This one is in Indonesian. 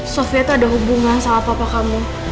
sofia itu ada hubungan sama papa kamu